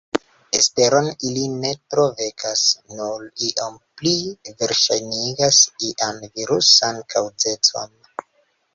Esperon ili ne tro vekas, nur iom pli verŝajnigas ian virusan kaŭzecon.